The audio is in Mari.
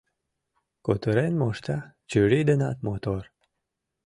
Кутырен мошта, чурий денат мотор.